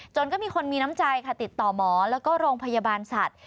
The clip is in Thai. ก็มีคนมีน้ำใจค่ะติดต่อหมอแล้วก็โรงพยาบาลสัตว์